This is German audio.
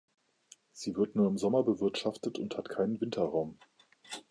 Sie wird nur im Sommer bewirtschaftet und hat keinen Winterraum.